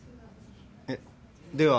えっでは。